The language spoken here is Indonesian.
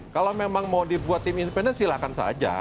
kalau memang mau dibuat tim independen silakan saja